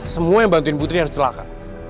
semua yang bantuin putri harus celaka